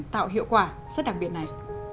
tạo hiệu quả rất đặc biệt này